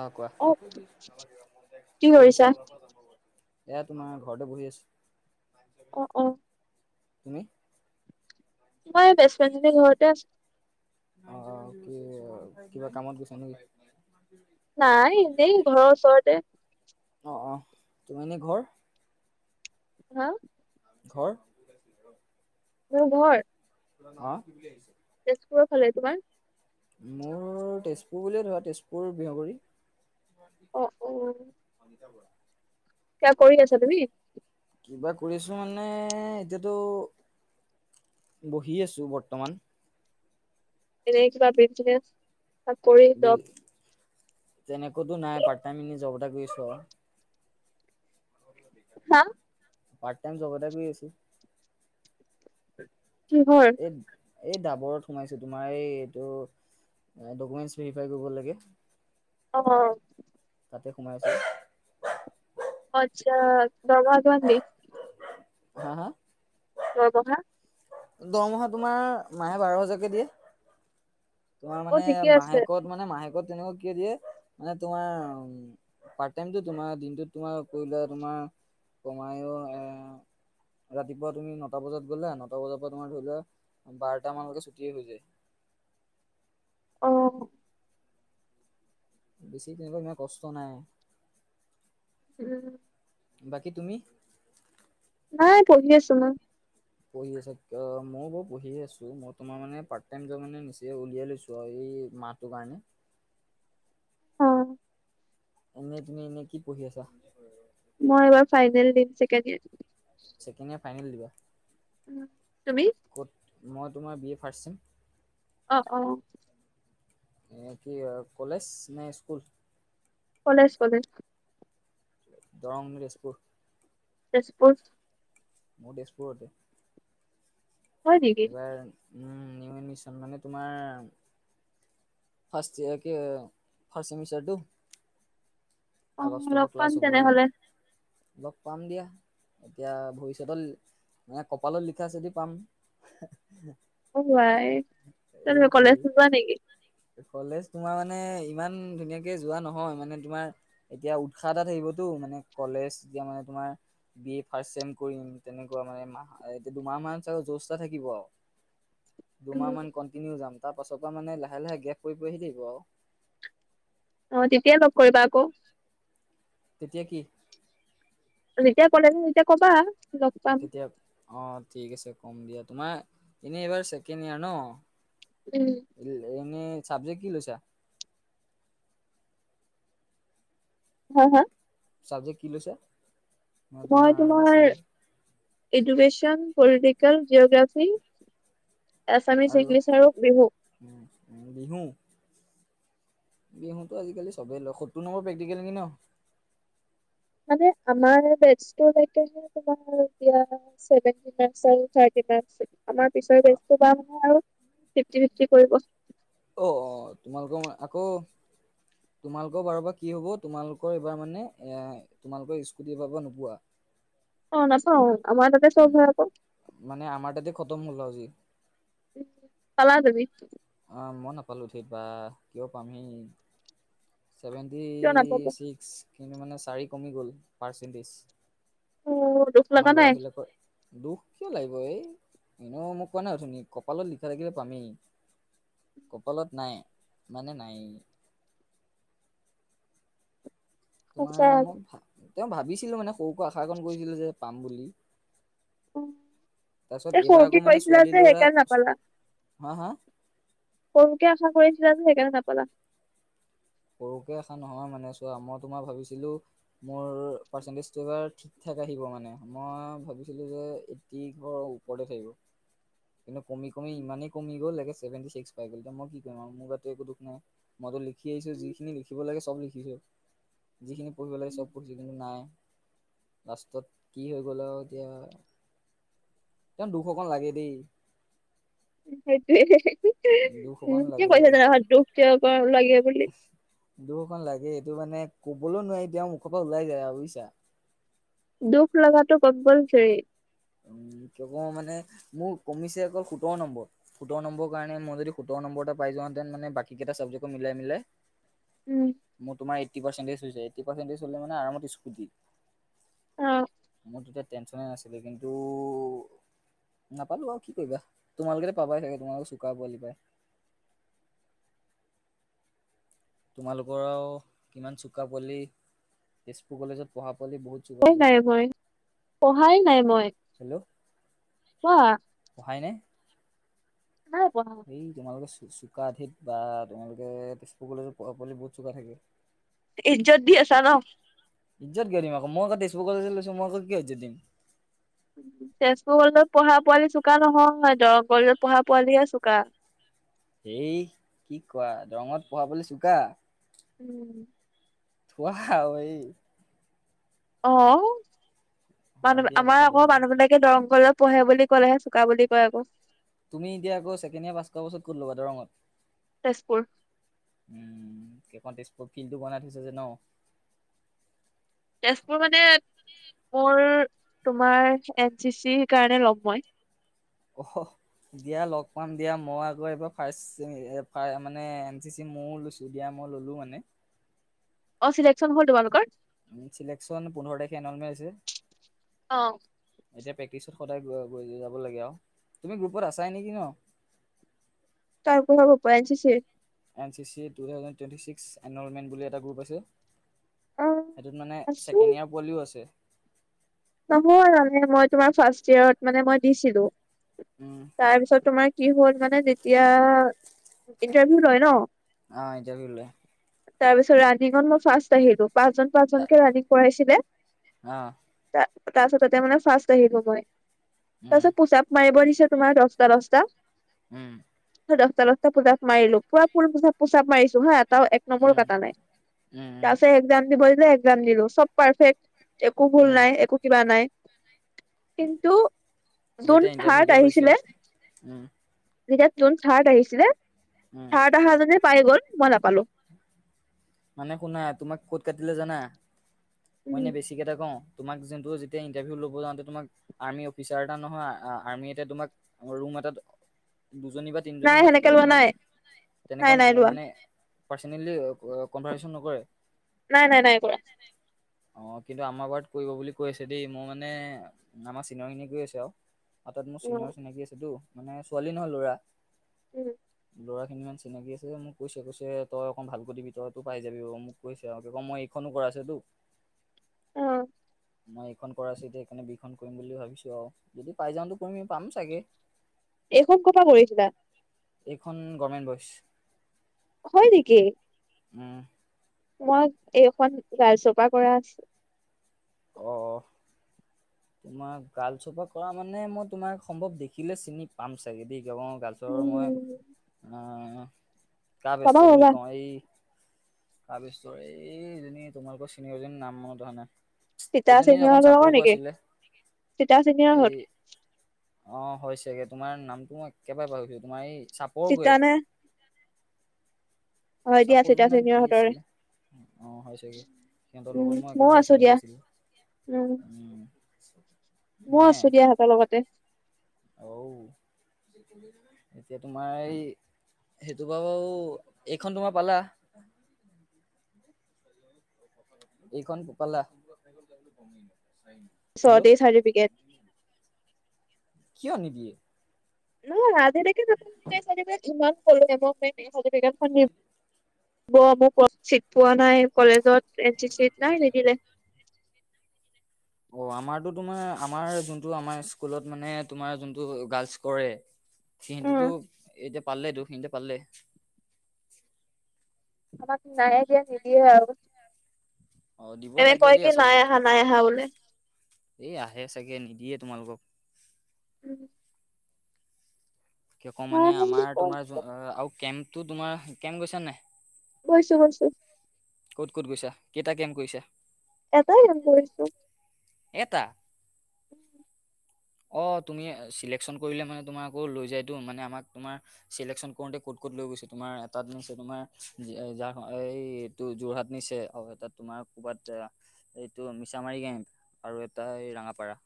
অ', কোৱা, কি ক'ত কৰিছা আছা? এয়া তোমাৰ ঘৰতে বহি আছোঁ। অ', অ'। তুমি? মই বেষ্ট ফ্ৰেী জনিৰ ঘৰতে আছোঁ। অ', কি কিবা কামত গৈছ নেকি? নাই এনেই ঘৰৰ ওচৰতে। অ', তুমি এনেই ঘৰ? হা? ঘৰ? মোৰ ঘৰ? হা? [unintelligible] তেজপুৰৰ ফালে, তোমাৰ? মোৰ তেজপুৰ বুলিয়ে ধৰা, তেজপুৰ বিহগুাৰী। অ অ অনিতা বৰা কিবা কৰি আছা তুমি [unintelligible] কিবা কৰি আছোঁ মানে এতিয়াতো পঢ়ি আছোঁ বৰ্তমান। এনে কিবা [unintelligible] চাকৰি বি জব তেনেকৈ টো নাই, পাৰ্ট টাইম এনেই জব এটা কৰী আছোঁ আৰু। হা পাৰ্ট টাইম জব এটা কৰি আছোঁ। কিহৰ? এই এই ডাবৰত সোমাইছোঁ। তোমাৰ এই এইটো ডকুমেট ভেৰিফাই কৰিব লাগে। অ'। তাতে সোমাইছোঁ। আচ্ছা, দৰমহা কিমান দিয়ে? হা-হা? দৰমহা? দৰমহা তোমাৰ মাহে বাৰ হাজাৰকৈ দিয়ে। তোমাৰ অ মানে ঠিকে আছে মাহেকত মানে মাহেকত তেনেকুৱা কিয় দিয়ে মানে তোমাৰ পাৰ্ট টাইম টো তোমাৰ দিনটো তোমাৰ কৰিলোৱা তোমাৰ [unintelligible] এ ৰাতিপুৱা তুমি নটা বজাত গ'ল এটা বজাৰ পৰা তোমাৰ ধৰি লোৱা, বাৰটা মানলৈকে ছুটিয়ে হৈ যায়। অ'। বেছি তেনেকুৱা ইমান কষ্ট নাই। উম। বাকী তুমি? নাই পঢ়ি আছোঁ মই। পঢ়ি আছা, মইয়ো বাৰু পঢ়িয়ে আছোঁ, মই তোমাৰ মানে পাৰ্ট টাইম জব মানে নিজে উলিয়াই লৈছোঁ আৰু এই মাত হেটোকৰণে। অ'। এনে তুমি এনে কি পঢ়ি আছা? মই এইবাৰ ফাইনেল দিম, second year. Second year final দিবা? উম, তুমি? ক'ত? মই তোমাৰ বি এ ফাষ্টচেম। অ', অ'। এ কি আৰু কলেজ নে স্কুল? কলেজ-কলেজ। দৰং, তেজপুৰ? তেজপুৰ। মোৰ তেজপুৰতে। হয় নেকি এবাৰ নিউ এডমিচন মানে তোমাৰ ফাষ্ট ইয়েৰ কে ফাষ্ট চেমিষ্টাৰটো? অ আগষ্টৰ পৰা লগ ক্লাছ পাম হ'ব হে, তেনেহলে লগ পাম দিয়া। এতিয়া ভৱিষ্যতৰ, মানে কপালত লিখা আছে যদি পাম। অ', আই, তুমি কলেজ এইটোৱে নোযোৱা নেকি? কলেজ তোমাৰ মানে, ইমান ধুনীয়াকে যোৱা নহয় মানে তোমাৰ এতিয়া উৎসাহ এটা থাকিবতো, মানে কলেজ এতিয়া মানে তোমাৰ বি এ ফাৰ্ষ্ট চেম কৰিম, তেনেকুৱা মানে এমাহ এতিয়া দুমাহ মান চাগে জচ এটা থাকিব আৰু। [inaudible] দুমাহ মান কণ্টিনিউ যাম, তাৰ পাছৰ পৰা মানে লাহে-লাহে গেপ পৰি-পৰি আহি থাকিব আৰু। অ', তেতিয়া লগ কৰিবা আকৌ। তেতিয়া কি? যেতিয়া কলেজ আহিম তেতিয়া ক'বা। লগ পাম। তেতিয়া অ', ঠিক আছে ক'ম দিয়া, তোমাৰ এনেই এইবাৰ ছেকেণ্ড ইয়াৰ ন? উম। এনে চাব্জেক্ কি লৈছা? হা-হা? চাবজেক্ট কি লৈছা? মই তোমাৰ education, political, geography Assamese, English আৰু বিহু। উম, বিহু? বিহুতো আজিকালি চবেই লগ হয়, সত্তৰ নম্বৰ প্ৰেক্টিকেল নেকি ন? মানে আমাৰ বেষ্ট লকেহে হে তোমাৰ এতিয়া চেভেনটি পাৰ্চেন্ট, থ্ৰাৰটি পাৰ্চেন্ট, আমাৰ পিছে বেষ্টিবাৰ [inaudible] আৰু ফিফটি-ফিফটি কৰিব চাগে। অ', অ', তোমালোকৰ মানে আকৌ তোমালোকৰ বাৰবা কি হ'ব, তোমালোকৰ এইবাৰ মানে এ তোমালোকৰ স্কুটি এবাৰ পৰা নোপোৱা? অ', নাপাওঁ আমাৰ তাতে উম চব হয় আকৌ। মানে আমাৰ তাতে খতম হ'ল আৰু আজি। পালা তুমি। অ', মই নাপালোঁ উঠি বা কিয় পামহি ছেভেণ্টি কিয় নাপাব? ছিক্স, কিন্তু মানে চাৰি কমি গ'ল পাৰ্চেণ্টেছ। অ' দুখ লগা আমাৰ ল'ৰা নাই বিলাকৰ। দুখ কিয় লাগিব এই, এনেও মই কোৱা নাই অথনি, কপালত লিখা থাকিলে পামেই। কপালত নাই, মানে নাইয়ে। তোমাৰ মোক সঁচা। ভা তেওঁ ভাবিছিলো মানে সৰু পা আশাকণ কৰিছিল যে পাম বুলি। তাৰ এ পিছত এইবাৰ সৰুকে আকৌ মানে কৰিছিলা ছোৱালী যে ল'ৰা, সেইকাৰণে ছো নাপালা হা- হা। সৰুকে আশা কৰিছিলা যে, সেইকাৰণে নাপালা। সৰুকে আশা নহয় মানে চোৱা, মই তোমাৰ ভাবিছিলো মোৰ পাৰ্চেণ্টেছটো এবাৰ ঠিক ঠাক আহিব মানে, মই ভাবিছিলোঁ যে তি ঘৰৰ ওপৰতে থাকিব। কিন্তু কমি-কমি ইমানেই কমি গ'ল একে ছেভেটি ছিক্স পাই গ'লগে, এতিয়া মই কি কৰিম আও মোৰ গাতো একো দোষ নাই। মইতো লিখি আহিছো, যিখিনি লিখিব লাগে চব লিখিছো। যিখিনি পঢ়িব লাগে চব পঢ়িছো, কিন্তু নাই। লাষ্টত কি হৈ গ'ল আও এতিয়া, তেও দুখ অকন লাগে দেই। সেইটোৱে, দুখ অকণ উম, কি লাগে কৈছা [unintelligible] দুখটো [unintelligible] লাগে বুলি। দুখ অকন লাগে এইটো মানে ক'বলৈ নোৱাৰি এতিয়া মুখৰ পৰা ওলাই যায় আৰু বুজিছা। দুখ লগাটো কম্পালচৰি। উম, [unintelligible] মানে মোৰ কমিছে অকল সোতৰ নম্বৰ। সোতৰ নম্বৰ কাৰনে মই যদি সোতৰ নম্বৰ এটা পাই যাওঁ ডেন মানে বাকী কেইটা চাবজেক্ট ও মিলাই- মিলাই উম মোৰ তোমাৰ এইট্টি পাৰ্চেন্টেজ হৈ যায়, এইট্টি পাৰ্চেণ্টেজ হ'লে মানে আৰামত স্কুটি। অ'। মোৰ তেতিয়া টেনশ্যনে নাছিলে কিন টো নাপালো আৰু কি কৰিবা, তোমালোকেতো পাবাই চাগে তোমালোকেতো চোকা পোৱালি পাই। তোমালোকৰ আও কিমান চোকা পোৱালি, তেজপুৰ কলেজত পঢ়া পোৱালি বহুত চোকাটো, [unintelligible] নাই মই, পঢ়াই নাই মই। হেল্ল'। কোৱা। পঢ়াই নাই। নাই পঢ়া। এই তোমালোকে চো চোকা ধেত বা, তোমালোকে তেজপুৰ কলেজৰ পোৱালি বহুত চোকা থাকে। ইজ্জত দি আছা ন। ইজ্জত কিয় দিম আকৌ, মই আকৌ তেজপুৰ কলেজত লৈছো, মই আকৌ কিয় ইজ্জত দিম। তেজপুৰ কলেজত পঢ়া পোৱালি চোকা নহয়, দৰং কলেজত পঢ়া পোৱালিহে চোকা। এই কি কোৱা, দৰঙত পঢ়া পোৱালি চোকা। উম। ৱাহ এই অ', হয় মানুহ দিয়া আমাৰ কথাটো আকৌ হয় মানুহবিলাক কে দৰং কলেজত পঢ়ে বুলি ক'লেহে চুকা বুলি কয় আকৌ। তুমি এতিয়া আকৌ ছেকেণ্ড ইয়েৰ পাছ কৰা পাছত ক'ত ল'বা, দৰঙত। তেজপুৰ। উম, সেইখন তেজপুৰ ফিল্ডটো বনাই থৈছ যে ন। তেজপুৰ মানে মোৰ তোমাৰ এন চি চিৰ কাৰণে ল'ম মই। অ', সহ। দিয়া লগ পাম দিয়া মই আকৌ এবাৰ ফাৰ্ষ্ট মানে এন চি চি মইও লৈছোঁ। টো দিয়া মই ল'লোঁ মানে। অ', ছিলেকশ্যন হ'ল তোমালোকৰ? উম, চিলেকশ্যন পোন্ধৰ তাৰখে এনৰলমেণ্ট আছে। অ'। এতিয়া প্ৰেক্টিচত সদায় গৈ যাব লাগে আৰু তুমি গ্ৰুপত আছাই নেকি ন? [unintelligible] এন চি চি টু থাউেড টুৱেন্টি ছিক্স এনৰলমেন্ত বুলি এটা গ্ৰুপ আছে। অ সেইটোত মানে আছো ছেকেণ্ড ইয়াৰ পোৱালিও আছে। নহয় মানে মই তোমাৰ ফাৰ্ষ্ট ইয়েৰত মানে মই দিছিলোঁ। উম। তাৰ পিছত তোমাৰ কি হ'ল মানে যেতিয়া ইন্টাৰভিউ লয় ন? অ', ইণ্টাৰভিউ লয়। তাৰ পিছত ৰানিঙত মই ফাৰ্ষ্ট আহিলোঁ, পাঁচজন পাঁচজনকে ৰানিং কৰাইছিলে। অ'। তাৰপাছত তাতে মানে ফাৰ্ষ্ট আহিলোঁ মই, উম তাৰপাছত পুচা মাৰিব দিছে তোমাৰ দচটা-দচটা। উম। পুৰা দচটা-দচটা পুচাপ মৰিলোঁ, পুৰা ফোল পুচাপ-পুচাপ মাৰিছোঁ হা এটা নম্বৰো উম কটা নাই। উম উম তাৰপাছত একজাম দিব [inaudible] একজাম দিলোঁ, চব পাৰফেক্ট। একো ভুল উম নাই একো কিবা নাই। কিন্তু জুন যেতিয়া থাৰ্ড ইণ্টাৰভিউটো লৈছে আহিছিলে, উম জুন থাৰ্ড আহিছিলে উম। তাহাজনে পাই গ'ল, মই নাপালোঁ। মানে শুনা তোমাক ক'ত কাটিলে জানা? মই উম এনে বেছি ঠিক এটা কওঁ? তোমাক যোনটো যেতি ইটাৰভিউ ল'ব যাওঁতে তোমাক আৰ্মি অফিচাৰ এটা নহয়, আৰ্মি এতিয়া তোমাক ৰুম এটাত দুজনী বা তিনজনি নাই মাতি সেনেকে পেলাই লোৱা তোমাক, নাই তেনেকা নাই নাই লোৱা মানে পাৰ্চনেলি কনভাৰ্চন নকৰে? নাই-নাই, নাই কৰা। অ', কিন্তু আমাৰ বাৰত পৰিব বুলি কৈ আছে দেই মোৰ মানে আমাৰ চিনিয়ৰ খিনি কৈ আছে আৰু। অ', তাত মোৰ উম চিনিয়ৰ চিনাকি আছেতো মানে ছোৱালী নহয় ল'ৰা। উম। ল'ৰাখিনি ইমান চিনাকি আছে যে মোক কৈছে-কৈছে তই অকণ ভালকে দিবি তই ত পাই যাবি মোক কৈছে আৰু [unintelligible] মই এইখনো কৰা আছে তো। অ'। মই এইখন কৰা আছে এতিয়া সেইকাৰনে দুইখন কৰিম বুলি ভাবিছোঁ আৰু। যদি পাই যাওঁতো [unintelligible] পাম চাগে? এইখন কৰ পৰা কৰিছিলা? এইখন গভমেণ্ট বইচ। হয় নেকি? উম। মই এইখন গাৰ্লছৰ পৰা কৰা আছে। অ', অ'। তোমাৰ গাৰ্লছৰ পা কৰা মানে মই তোমাক সম্ভৱ দেখিলে চিনি পাম চাগে দেই। অ গাৰ্লছ ৰ মই উম আ কাৰ পাবা বেচটৰ বুলি পাবা কওঁ এই কা বেচটৰ এই এইজনী তোমালোকৰ চিনিয়ৰজনী নাম মনত অহা নাই। চিতা এজনী অকণ চিনিয়ৰহঁতৰ লগৰ চাপৰকৈ নেকি আছিলে। চিতা এই চিনিয়ৰহঁত অ হয় ছাগে তোমাৰ নামটো মই একেবাৰে পাহৰি থাকিলো। তোমাৰ এই ছাপ চিতা নে? হয় দিয়া চিতা চাপৰজনী নাম কি চিনিয়ৰহঁতৰে আছিলে? অ হয় ছাগে। সিহঁতৰ উম লগত মই একে ময়ো ভাল আছো চিনাকি দিয়া আছিলোঁ। উম। মও আছো দিয়া হেতৰ লগতে। অঔ। এতিয়া তোমা এই সেইটো বাও এইখন তোমা পালা। এইখন পালা। পিছত হেল্ল' এই চাৰ্টিফিকেট কিয় নিদিয়ে? নহ আজিলেকে [unintelligible] [unintelligible] চিট পোৱা নাই কলেজত এনচি চিত নাই নিদিলে। অ আমাৰতো তোমাৰ আমাৰ যোনটো আমাৰ স্কুলত মানে তোমাৰ যোনটো গাৰ্লচ কৰে উম সিহেঁতিতো এতিয়া পালেটো হিনতে পালে। আমাক নাই দিয়া নিদিয়ে আৰু। অ দিব এনে লাগে কয় দেই কি নাই আহা, নাই আহা বুলি। এ আহে চাগে নিদিয়ে তোমালোকক। উম। কিয় ক আহা মানে বুলি আমাৰ কয় তোমাৰ যো আৰু কেম্পটো তোমাৰ, কেম্প গৈছা নাই? গৈছো, গৈছো। ক'ত ক'ত গৈছা? কেইটা কেম কইছা? এটাই কেম কৰিছো। এটা? [inaudible] অ তুমি চিলেকচন কৰিলে মানে তোমাকো লৈ যায়তো। মানে আমাক তোমাৰ চিলেকচন কৰোতে ক'ত ক'ত লৈ গৈছে তোমাৰ, এটাত নিছে তোমাৰ জাৰ এই যো যোৰহাট নিছে আৰু এটা তোমাৰ ক'বাত আ এইটো মিছামাৰী কেম্প আৰু এটা এই ৰাঙাপাৰা।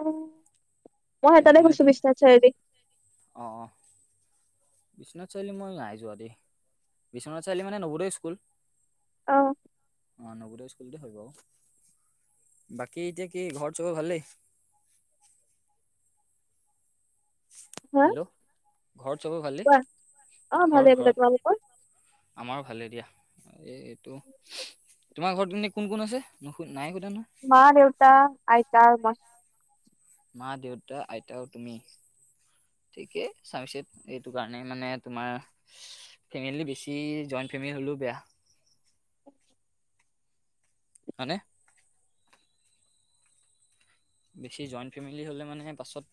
উ, মই তেনেকে এটাতে মানে গৈছো তি বিশ্বনাথ চাৰিআলি। অ, অ। বিশ্বনাথ চাৰিআলি মই নাই যোৱা দেই। বিশ্বনাথ চাৰিআলি মানে নৱোদয় স্কুল? অ অ নৱোদয় স্কু [unintelligible] তে হয় বাও। বাকী এতিয়া কি ঘৰত চবে ভালেই? হা হেল্ল ঘৰত চবৰে ভালেনে? কোৱা অ ভালে ঘৰত ভালে ঘৰত? তোমালোকৰ আমাৰো ভালে দিয়া। এই এইটো তোমা ঘৰত জানি কোন কোন আছে? নুসু নাই শুদা ন। মা-দেউতা, আইতা, মই। মা, দেউতা, আইতা আও তুমি। ঠিকে [unintelligible] এইটো কাৰণে মানে তোমাৰ ফেমেলি বেছি জইণ্ট ফেমেলি হ'লেওঁ বেয়া। হয়নে? বেছি জইণ্ট ফেমিলি হ'লে মানেহে পাছত